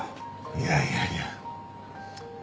いやいやいや。